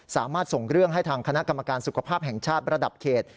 สามารถส่งเรื่องให้ทางคณะกรรมการสุขภาพแห่งชาติระดับเขต